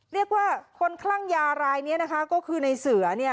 เรียกว่าคนคลั่งยารายนี้นะคะก็คือในเสือเนี่ย